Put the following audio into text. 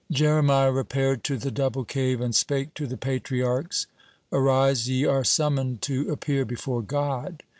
'" Jeremiah repaired to the Double Cave, and spake to the Patriarchs: "Arise, ye are summoned to appear before God."